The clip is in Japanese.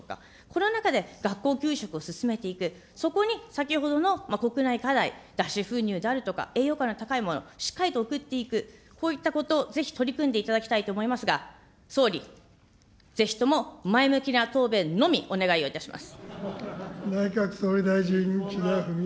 この中で学校給食を進めていく、そこに先ほどの国内課題、脱脂粉乳であるとか栄養価の高いもの、しっかりと送っていく、こういったことをぜひ取り組んでいただきたいと思いますが、総理、ぜひとも前向きな答弁のみ、お願いをいたします。